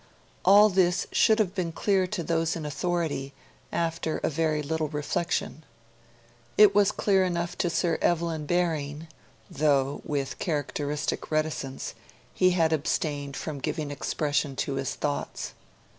All this should have been clear to those in authority, after a very little reflection. It was clear enough to Sir Evelyn Baring, though, with characteristic reticence, he had abstained from giving expression to his thoughts.